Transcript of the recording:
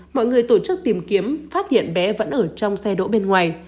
mọi người tổ chức tìm kiếm phát hiện bé vẫn ở trong xe đỗ bên ngoài